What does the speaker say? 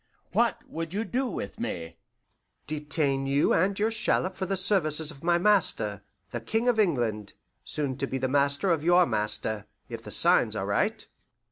What would you do with me?" "Detain you and your shallop for the services of my master, the King of England, soon to be the master of your master, if the signs are right."